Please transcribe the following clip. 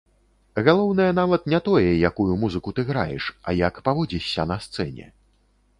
Галоўнае нават не тое, якую музыку ты граеш, а як паводзішся на сцэне.